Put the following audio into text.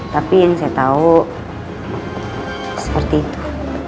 tapi yang saya tahu seperti itu